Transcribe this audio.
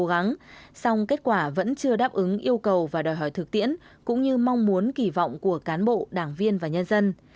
các cơ quan chức năng đã cố gắng xong kết quả vẫn chưa đáp ứng yêu cầu và đòi hỏi thực tiễn cũng như mong muốn kỳ vọng của cán bộ đảng viên và nhân dân